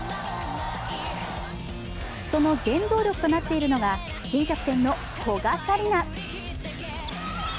その原動力となっているのが新キャプテンの古賀紗理那。